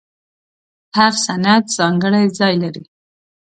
هر سند ځانګړی ځای لري.